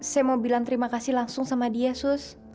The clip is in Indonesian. saya mau bilang terima kasih langsung sama dia sus